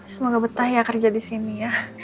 semoga betah ya kerja di sini ya